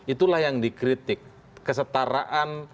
itulah yang dikritik kesetaraan